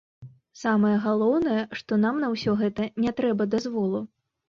Самае галоўнае, што нам на ўсё гэта не трэба дазволу.